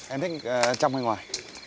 em thích trong hay ngoài